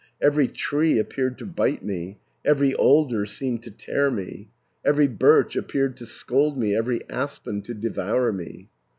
530 Every tree appeared to bite me, Every alder seemed to tear me, Every birch appeared to scold me, Every aspen to devour me.